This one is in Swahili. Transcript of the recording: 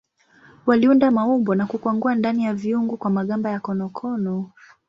Waliunda maumbo na kukwangua ndani ya viungu kwa magamba ya konokono.